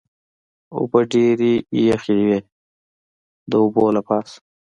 اوبه ډېرې یخې وې، د اوبو له پاسه.